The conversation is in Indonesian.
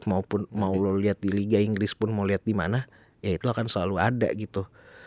maupun mau lo lihat di liga inggris pun mau lihat di mana ya itu akan selalu ada gitu